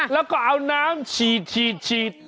แล้วก็เอาน้ำฉีดฉีดฉีด